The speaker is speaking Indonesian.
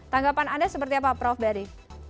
tanggapan anda seperti apa prof beri